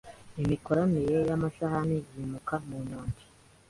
imikoranire yamasahani yimuka munyanja